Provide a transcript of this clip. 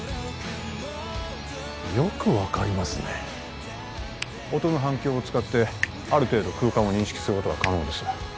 よく分かりますね音の反響を使ってある程度空間を認識することが可能です